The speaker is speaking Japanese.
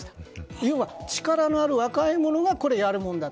要は、力のある若い者がこれをやるものだと。